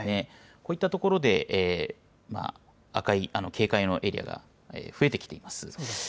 こういった所で、赤い警戒のエリアが増えてきています。